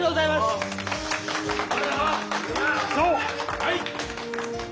はい！